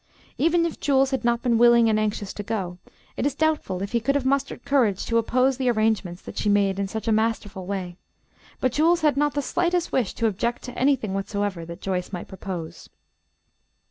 Even if Jules had not been willing and anxious to go, it is doubtful if he could have mustered courage to oppose the arrangements that she made in such a masterful way; but Jules had not the slightest wish to object to anything whatsoever that Joyce might propose.